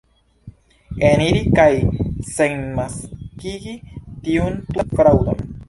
Eniri kaj senmaskigi tiun tutan fraŭdon?